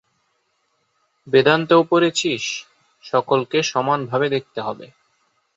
বেদান্তেও পড়েছিস, সকলকে সমানভাবে দেখতে হবে।